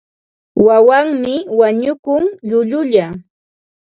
Wawanmi wañukun llullulla.